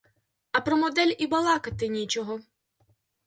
А про модель і балакати нічого!